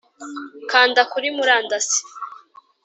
kanda kuri murandasi